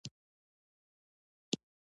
د تلفاتو د شمېر اندازه تاثیر نه لري.